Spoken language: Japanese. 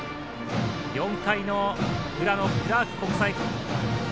４回の裏のクラーク国際。